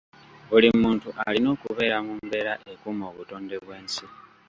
Buli muntu alina okubeera mu mbeera ekuuma obutonde bw'ensi.